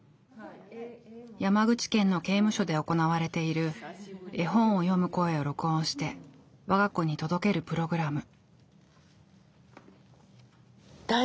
山口県の刑務所で行われている絵本を読む声を録音してわが子に届けるプログラム。